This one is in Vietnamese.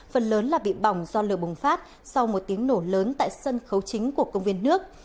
phần lớn là bị bỏng do lửa bùng phát sau một tiếng nổ lớn tại sân khấu chính của công viên nước